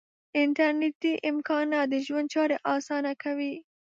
انټرنیټي امکانات د ژوند چارې آسانه کوي.